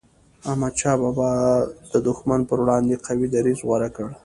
احمد شاه بابا د دښمن پر وړاندي قوي دریځ غوره کړ.